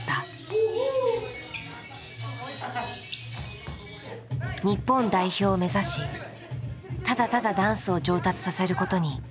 日本代表を目指しただただダンスを上達させることに夢中になっていた。